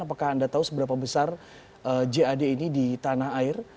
apakah anda tahu seberapa besar jad ini di tanah air